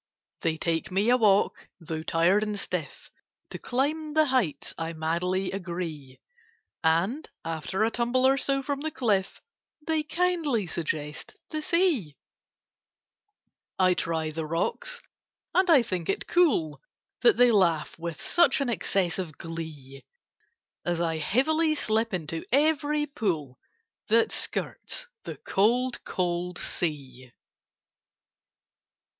They take me a walk: though tired and stiff, To climb the heights I madly agree; And, after a tumble or so from the cliff, They kindly suggest the Sea. I try the rocks, and I think it cool That they laugh with such an excess of glee, As I heavily slip into every pool That skirts the cold cold Sea.